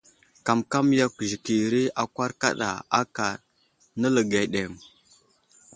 Kamkam yakw zəkiri akwar kaɗa aka nələgay aɗeŋ.